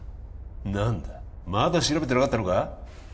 何だまだ調べてなかったのか？